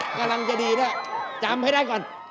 กำลังจะดีด้วยจำให้ได้ก่อน